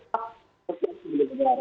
pesensi milik negara